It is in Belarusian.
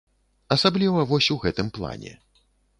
Асабліва вось у гэтым плане.